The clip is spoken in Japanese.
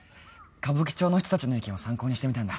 歌舞伎町の人達の意見を参考にしてみたんだ